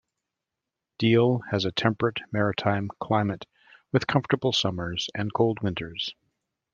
Deal has a temperate maritime climate, with comfortable summers and cold winters.